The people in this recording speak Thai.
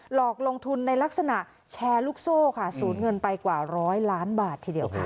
หลอกลงทุนในลักษณะแชร์ลูกโซ่ค่ะสูญเงินไปกว่าร้อยล้านบาททีเดียวค่ะ